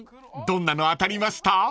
どんなの当たりました？］